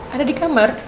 ada di kamar